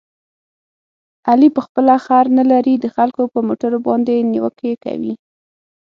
علي په خپله خر نه لري، د خلکو په موټرو باندې نیوکې کوي.